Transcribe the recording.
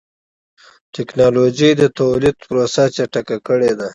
ټکنالوجي د تولید پروسه چټکه کړې ده.